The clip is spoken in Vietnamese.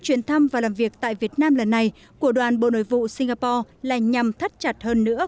chuyển thăm và làm việc tại việt nam lần này của đoàn bộ nội vụ singapore là nhằm thắt chặt hơn nữa